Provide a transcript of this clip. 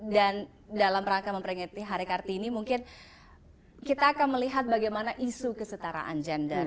dan dalam rangka memperingati hari kartini mungkin kita akan melihat bagaimana isu kesetaraan gender